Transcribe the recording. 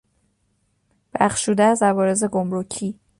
بخشوده از عوارض گمرکی